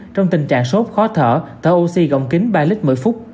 trong tình trạng sốt khó thở thở oxy gọng kính ba lít một mươi phút